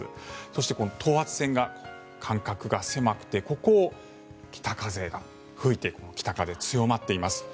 そして、等圧線の間隔が狭くてここを北風が吹いて北風が強まっています。